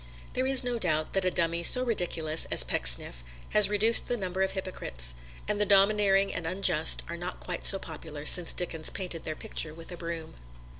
There is no doubt that a dummy so ridiculous as Pecksniff has reduced the number of hypocrites; and the domineering and unjust are not quite so popular since Dickens painted their picture with a broom.